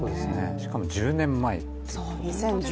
しかも１０年前。